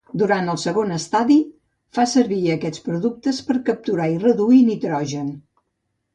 Durant el segon estadi, fa servir aquests productes per capturar i reduir nitrogen.